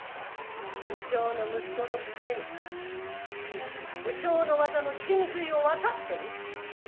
鵜匠の息子のくせに鵜匠の技の神髄を分かってる？